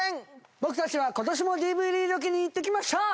僕たちは今年もＤＶＤロケに行ってきました！